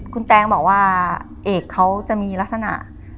คุณแตงบอกว่าเอกเขาจะมีลักษณะ